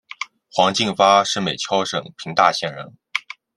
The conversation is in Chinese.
黄晋发是美湫省平大县人。